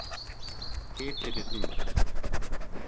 Keapje dit nûmer.